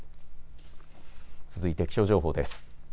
続いて気象情報です。